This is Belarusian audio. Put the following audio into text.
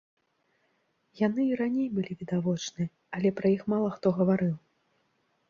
Яны і раней былі відавочныя, але пра іх мала хто гаварыў.